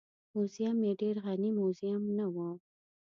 موزیم یې ډېر غني موزیم نه و.